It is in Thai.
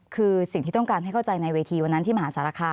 คือสิ่งที่ต้องการให้เข้าใจในเวทีวันนั้นที่มหาสารคาม